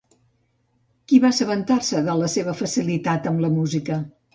Qui va assabentar-se de la seva facilitat amb la música?